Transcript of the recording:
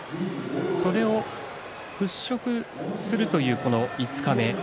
それを払拭するという五日目。